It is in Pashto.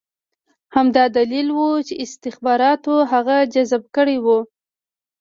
همدا دلیل و چې استخباراتو هغه جذب کړی و